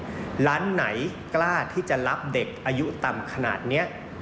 ร้านไหนกล้าที่จะรับเด็กอายุต่ำขนาดนี้